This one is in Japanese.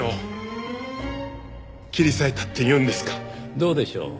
どうでしょう？